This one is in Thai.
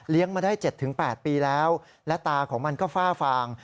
มาได้๗๘ปีแล้วและตาของมันก็ฝ้าฟาง